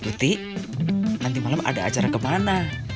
cuti nanti malam ada acara kemana